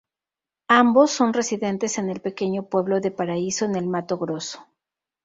Ambos son residentes en el pequeño pueblo de Paraíso en el Mato Grosso.